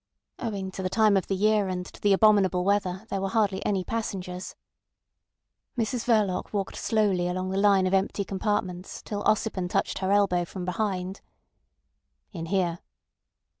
Owing to the time of the year and to the abominable weather there were hardly any passengers. Mrs Verloc walked slowly along the line of empty compartments till Ossipon touched her elbow from behind. "In here."